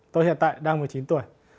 tôi hiện tại đang một mươi chín tuổi